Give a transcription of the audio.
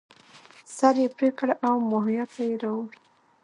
سر یې پرې کړ او ماهویه ته یې راوړ.